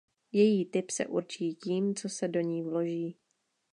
Její typ se určí tím co se do ní vloží.